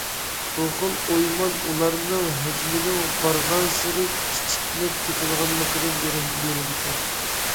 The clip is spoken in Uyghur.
بۇ خىل ئويمان ئۇلارنىڭ ھەجمىنىڭ بارغانسېرى كىچىكلەپ كېتىدىغانلىقىدىن دېرەك بېرىدىكەن.